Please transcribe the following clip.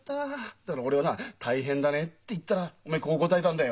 だから俺はな「大変だね」って言ったらお前こう答えたんだよ。